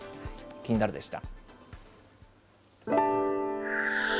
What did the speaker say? キニナル！でした。